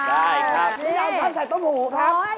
ได้ครับนี่พี่ดาวน้ำใส่ทั้งหูครับโอ๊ย